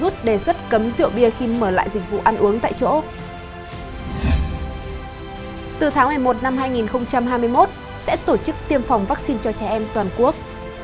từ tháng một mươi một năm hai nghìn hai mươi một sẽ tổ chức tiêm phòng vaccine cho trẻ em toàn quốc